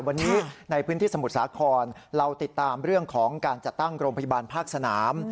วันนี้ในพื้นที่สมุทรสาครเราติดตามเรื่องของการจัดตั้งโรงพยาบาลภาคสนาม